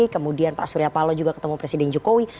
kemudian pak surya palo juga ketemu presiden jokowi